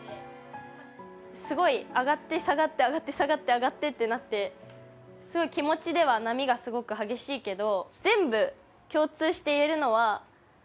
すごい、上がって下がって上がって下がって上がってってなってすごい気持ちでは波がすごく激しいけど。